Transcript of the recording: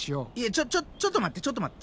ちょちょちょっと待ってちょっと待って。